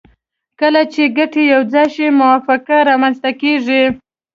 کله چې ګټې یو ځای شي موافقه رامنځته کیږي